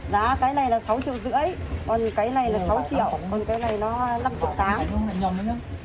đó cái này là sáu triệu rưỡi còn cái này là sáu triệu còn cái này là năm triệu tám